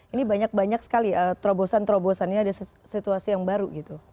ini banyak banyak sekali terobosan terobosannya ada situasi yang baru gitu